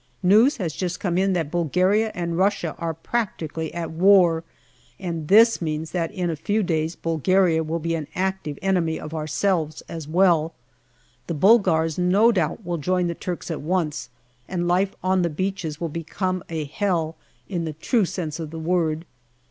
News has just come in that Bulgaria and Russia are practically at war, and this means that in a few days Bulgaria will be an active enemy of ourselves as well. The Bulgars no doubt will join the Turks at once, and life on the beaches will become a hell in the true sense of the word.